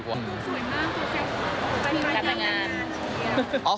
ข้าวทำงาน